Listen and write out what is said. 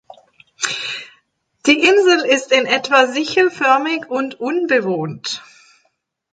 Die Insel ist in etwa sichelförmig und unbewohnt.